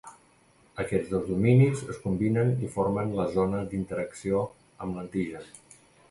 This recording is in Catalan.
Aquests dos dominis es combinen i formen la zona d'interacció amb l'antigen.